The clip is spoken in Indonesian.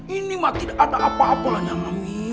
ini mah tidak ada apa apa lah yang ngemi